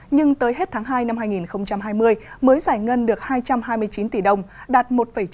nhưng tới hết tháng hai năm hai nghìn hai mươi mới giải ngân được hai trăm hai mươi chín tỷ đồng đạt một chín